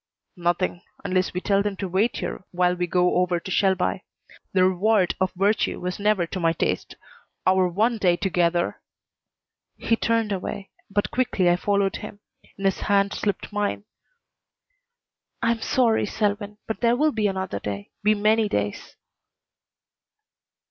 "Nothing unless we tell them to wait here while we go over to Shelby. The reward of virtue was never to my taste! Our one day together " He turned away, but quickly I followed him; in his hand slipped mine. "I'm sorry, Selwyn but there will be another day be many days."